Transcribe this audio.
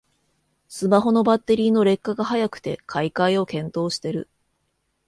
スマホのバッテリーの劣化が早くて買い替えを検討してる